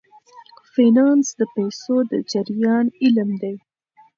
فینانس د پیسو د جریان علم دی.